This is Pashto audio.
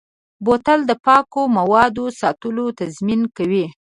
بوتل د پاکو موادو ساتلو تضمین کوي.